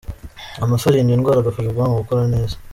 Amafi arinda indwara agafasha ubwonko gukora neza.